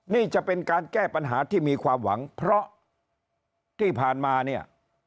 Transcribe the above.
นี่จะเป็นการแก้ปัญหาที่มีความหวังเพราะที่ผ่านมาเนี่ย